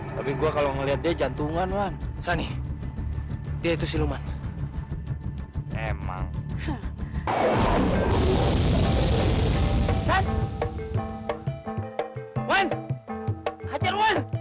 tapi kalau aku melihatnya itu adalah jantungmu wan